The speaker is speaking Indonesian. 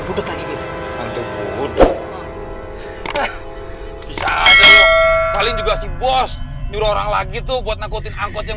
bisa aja lo paling juga si bos nyuruh orang lagi tuh buat nakutin angkot yang